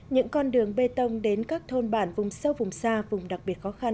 những con đường bê tông đến các thôn bản vùng sâu vùng xa vùng đặc biệt khó khăn